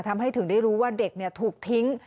ทำให้ถึงได้รู้ว่าเด็กถูกทิ้ง